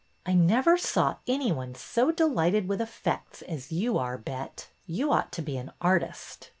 " I never saw any one so delighted with effects as you are, Bet. You ought to be an artist.